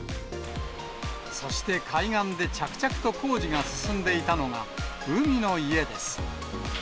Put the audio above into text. そして海岸で着々と工事が進んでいたのが、海の家です。